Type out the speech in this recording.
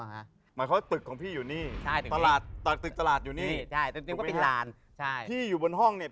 หมายความว่าตึกของพี่อยู่นี่ตลาดตึกตลาดอยู่นี่ถูกไหมครับพี่อยู่บนห้องเนี่ย